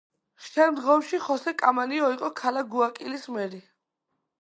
შემდგომში ხოსე კამანიო იყო ქალაქ გუაიაკილის მერი.